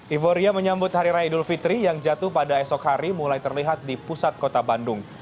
evoria menyambut hari raya idul fitri yang jatuh pada esok hari mulai terlihat di pusat kota bandung